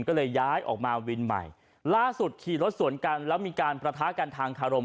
ก็เลยย้ายออกมาวินใหม่ล่าสุดขี่รถสวนกันแล้วมีการประทะกันทางคารม